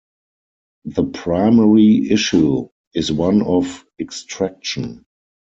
The primary issue is one of extraction.